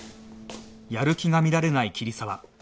やる気が見られない桐沢